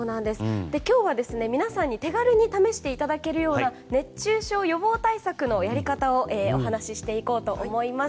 今日は皆さんに手軽に試していただけるような熱中症予防対策のやり方をお話していこうと思います。